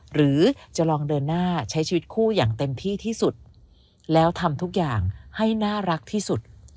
หรือจะลองเดินหน้าใช้ชีวิตคู่อย่างเต็มที่ที่สุดแล้วทำทุกอย่างให้น่ารักที่สุด